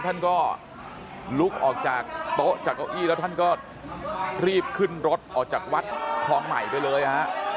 ท่านก็ลุกออกจากโต๊ะจากเก้าอี้แล้วท่านก็รีบขึ้นรถออกจากวัดคลองใหม่ไปเลยฮะ